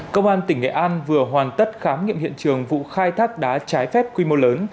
công an tỉnh nghệ an vừa hoàn tất khám nghiệm hiện trường vụ khai thác đá trái phép quy mô lớn